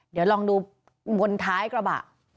เดี๋ยวลองดูบนท้ายกระบะ